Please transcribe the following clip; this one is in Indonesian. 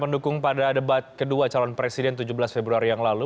pendukung pada debat kedua calon presiden tujuh belas februari yang lalu